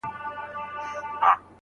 د قرآن کريم په اياتونو کي بايد تدبر وسي.